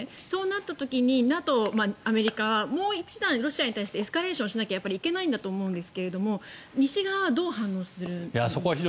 そうなった時にＮＡＴＯ、アメリカはロシアに対してエスカレーションしなきゃいけないと思うんですが西側がどう反応するんですか。